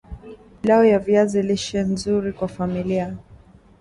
Pilau ya viazi lishe nzuri kwa familia